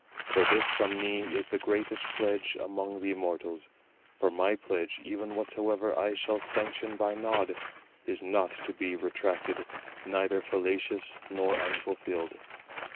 For this from me is the greatest pledge among the immortals: for my pledge, even whatsoever I shall sanction by nod, is not to be retracted, neither fallacious nor unfulfilled."